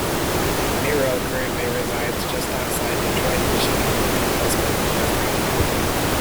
Miro currently resides just outside Detroit, Michigan with her husband, Jeffrey.